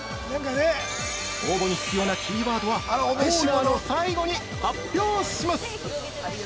応募に必要なキーワードはコーナーの最後に発表します！